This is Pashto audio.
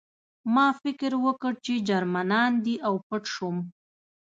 ما فکر وکړ چې جرمنان دي او پټ شوم